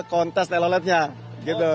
kontes teloletnya gitu